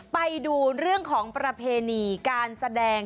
ไปดูเรื่องของประเพณีการแสดง